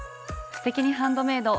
「すてきにハンドメイド」